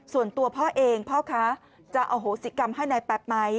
ส่วนตัวพ่อเองพ่อค้าจะอโหสิกรรมให้นายแป๊บไหม